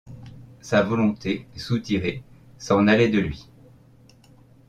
Sa volonté, soutirée, s’en allait de lui.